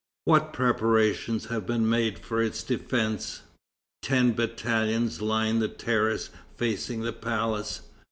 What preparations have been made for its defence? Ten battalions line the terrace facing the palace.